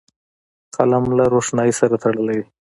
قلم له روښنايي سره تړلی دی